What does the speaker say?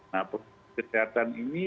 nah promosi kesehatan ini